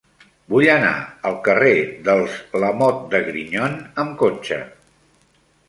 Vull anar al carrer dels Lamote de Grignon amb cotxe.